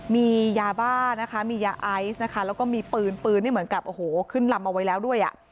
มียาบ้ามียาไอซ์แล้วมีปืนเหมือนกับขึ้นลำเอาไว้แล้วด้วย